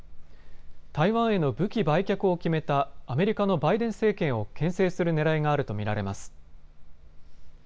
台湾への武器売却を決めたアメリカのバイデン政権をけん制するねらいがあると見られます。